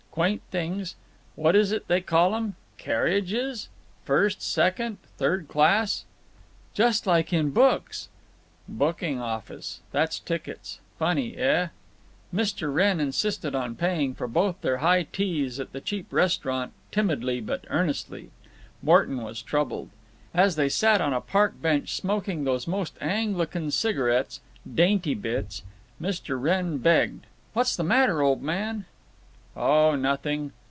Quaint things. What is it they call 'em—carriages? First, second, third class…." "Just like in books." "Booking office. That's tickets…. Funny, eh?" Mr. Wrenn insisted on paying for both their high teas at the cheap restaurant, timidly but earnestly. Morton was troubled. As they sat on a park bench, smoking those most Anglican cigarettes, "Dainty Bits," Mr. Wrenn begged: "What's the matter, old man?" "Oh, nothing.